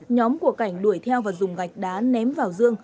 nhóm của cảnh đuổi theo và dùng gạch đá ném vào dương